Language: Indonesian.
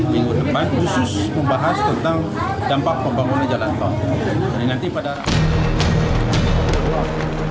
minggu depan khusus membahas tentang dampak pembangunan jalan tol